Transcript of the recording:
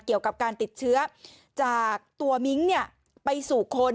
เกี่ยวกับการติดเชื้อจากตัวมิ้งไปสู่คน